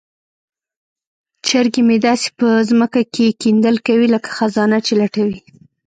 چرګې مې داسې په ځمکه کې کیندل کوي لکه خزانه چې لټوي.